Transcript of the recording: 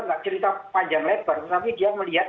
nggak cerita panjang lebar tapi dia melihat